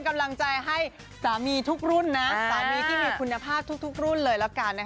ทุกรุ่นนะสามีที่มีคุณภาพทุกรุ่นเลยล่ะกันนะคะ